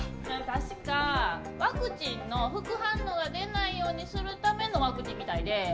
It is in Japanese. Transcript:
確かワクチンの副反応が出ないようにするためのワクチンみたいで。